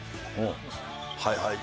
はいはい。